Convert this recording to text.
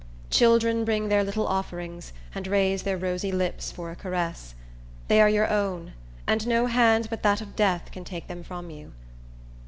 Children bring their little offerings, and raise their rosy lips for a caress. They are your own, and no hand but that of death can take them from you.